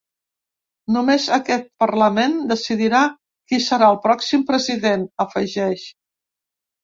Només aquest parlament decidirà qui serà el pròxim president, afegeix.